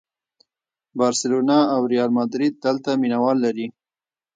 بارسلونا او ریال ماډریډ دلته مینه وال لري.